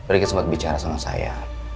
ricky sempat bicara sama saya